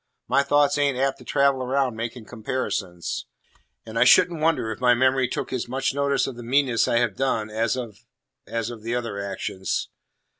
My thoughts ain't apt to travel around making comparisons. And I shouldn't wonder if my memory took as much notice of the meannesses I have done as of as of the other actions.